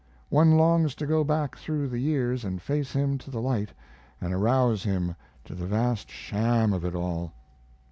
One longs to go back through the years and face him to the light and arouse him to the vast sham of it all.